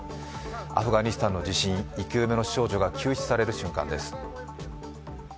アフガニスタンの地震生き埋めの少女が救出される瞬間です。